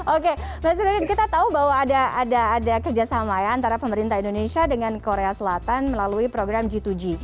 oke mas nurdin kita tahu bahwa ada kerjasama ya antara pemerintah indonesia dengan korea selatan melalui program g dua g